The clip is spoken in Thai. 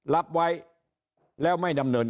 รับไว้แล้วไม่ดำเนิน